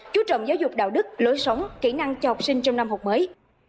chú trọng giáo dục đạo đức lối sống kỹ năng cho học sinh trong năm học mới